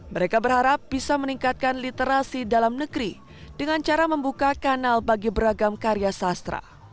mereka berharap bisa meningkatkan literasi dalam negeri dengan cara membuka kanal bagi beragam karya sastra